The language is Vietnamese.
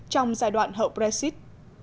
trong giai đoạn hậu brexit